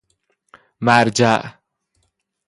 مرجع